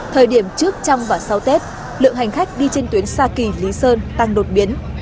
thời điểm trước trong và sau tết lượng hành khách đi trên tuyến sa kỳ lý sơn tăng đột biến